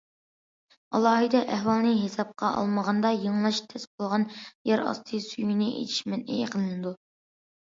ئالاھىدە ئەھۋالنى ھېسابقا ئالمىغاندا، يېڭىلاش تەس بولغان يەر ئاستى سۈيىنى ئېچىش مەنئى قىلىنىدۇ.